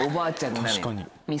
確かに。